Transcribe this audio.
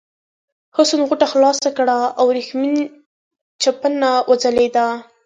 حسن غوټه خلاصه کړه او ورېښمین چپنه وځلېده.